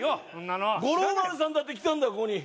五郎丸さんだって来たんだここに。